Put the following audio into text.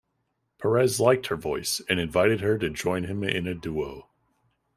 Perez liked her voice and invited her to join him in a duo.